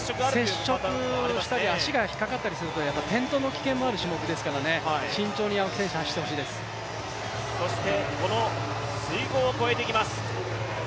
接触したり、足が引っ掛かったりすると転倒の危険がある種目ですから慎重に青木選手、走ってほしいです水濠を越えていきます。